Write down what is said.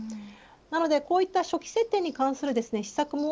なのでこういった初期設定に関する施策も